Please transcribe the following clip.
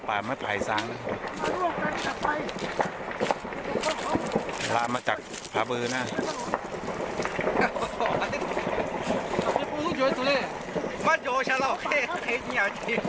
ล่ามาจากพาบือน่ะ